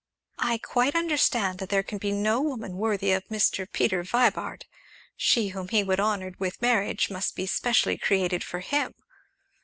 "I quite understand that there can be no woman worthy of Mr. Peter Vibart she whom he would honor with marriage must be specially created for him!